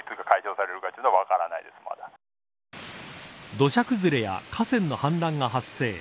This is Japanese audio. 土砂崩れや河川の氾濫が発生。